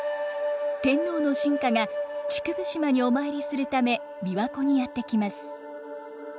天皇の臣下が竹生島にお参りするため琵琶湖にやって来ます。